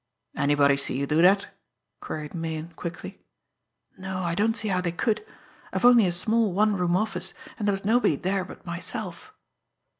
"Anybody see you do that?" queried Meighan quickly. "No; I don't see how they could. I've only a small one room office, and there was nobody there but myself."